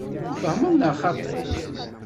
Tfehmeḍ neɣ xaṭi?